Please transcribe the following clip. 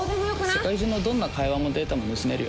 世界中のどんな会話もデータも盗めるよ